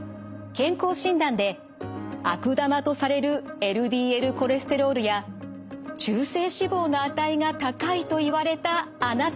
健康診断で悪玉とされるＬＤＬコレステロールや中性脂肪の値が高いと言われたあなた。